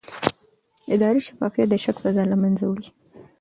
اداري شفافیت د شک فضا له منځه وړي